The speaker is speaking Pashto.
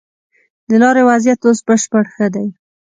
د لارې وضيعت اوس بشپړ ښه دی.